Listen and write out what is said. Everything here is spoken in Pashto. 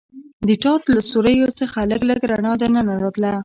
د ټاټ له سوریو څخه لږ لږ رڼا دننه راتله.